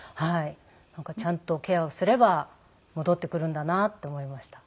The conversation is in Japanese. ちゃんとケアをすれば戻ってくるんだなと思いました。